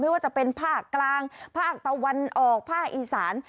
ว่าจะเป็นภาคกลางภาคตะวันออกภาคอีสาน